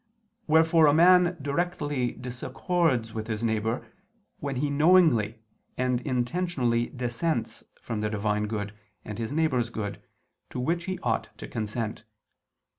Wherefore a man directly disaccords with his neighbor, when he knowingly and intentionally dissents from the Divine good and his neighbor's good, to which he ought to consent.